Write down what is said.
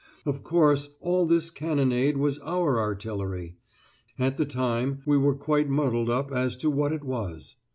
Of course, all this cannonade was our artillery; at the time we were quite muddled up as to what it all was!